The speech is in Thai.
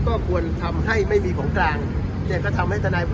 ก็ควรทำให้ไม่มีของกลางแต่ก็ทำให้ทนาย